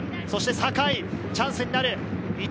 そして酒井チャンスになる。